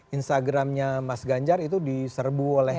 instagramnya mas ganjar itu diserbu oleh